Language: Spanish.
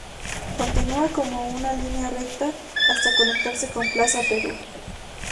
Continúa como una línea recta hasta conectarse con Plaza Perú.